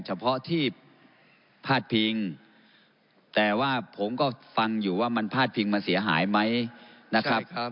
เฉพาะที่พาดพิงแต่ว่าผมก็ฟังอยู่ว่ามันพาดพิงมันเสียหายไหมนะครับ